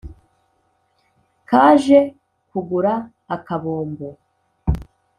kaje kugura akabombo;